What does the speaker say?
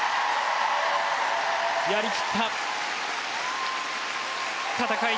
やりきった戦い